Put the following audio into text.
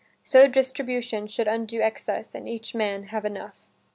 So distribution should undo excess, And each man have enough."